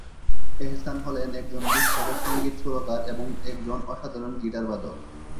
এহসান হলেন একজন বিখ্যাত সঙ্গীত সুরকার এবং একজন অসাধারণ গিটার বাদক।